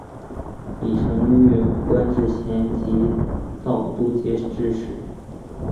李澄玉官至咸吉道都节制使。